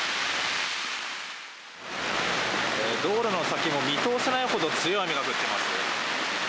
道路の先も見通せないほどの強い雨が降っています。